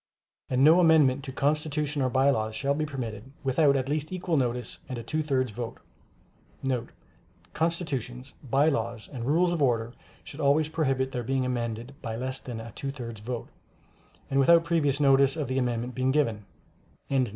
And no amendment to Constitutions or By Laws shall be permitted, without at least equal notice and a two thirds vote.* [Constitutions, By Laws and Rules of Order should always prohibit their being amended by less than a two thirds vote, and without previous notice of the amendment being given.